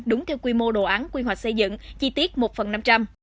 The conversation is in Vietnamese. đúng theo quy mô đồ án quy hoạch xây dựng chi tiết một phần năm trăm linh